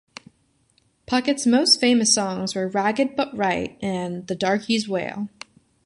Puckett's most famous songs were "Ragged but Right" and "The Darky's Wail".